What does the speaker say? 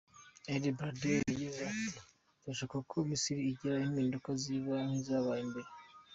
El-Baradei yagize ati, “Turashaka ko Misiri igira impinduka ziba nk’izabaye mbere.